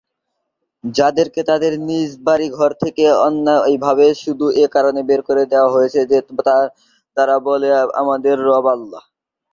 যাদেরকে তাদের নিজ বাড়ি-ঘর থেকে অন্যায়ভাবে শুধু এ কারণে বের করে দেয়া হয়েছে যে, তারা বলে, ‘আমাদের রব আল্লাহ’।